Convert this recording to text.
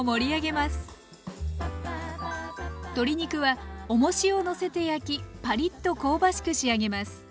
鶏肉はおもしをのせて焼きパリッと香ばしく仕上げます。